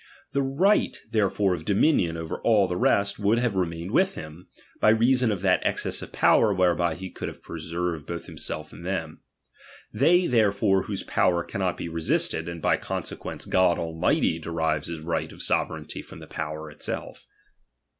The right therefore of dominion over all the rest would have remained with him, by reason of that excess of power whereby he could liave preserved both himself and them. They therefore whose power cannot be resisted, and by consequence God Almighty derives his right of sovereignty from the power itself.